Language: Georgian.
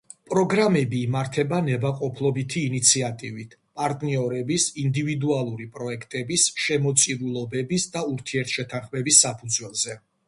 პროგრამები იმართება ნებაყოფლობითი ინიციატივით, პარტნიორების, ინდივიდუალური პროექტების, შემოწირულობების და ურთიერთშეთანხმების საფუძველზე.